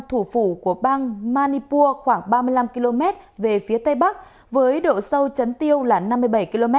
thủ phủ của bang manipur khoảng ba mươi năm km về phía tây bắc với độ sâu chấn tiêu là năm mươi bảy km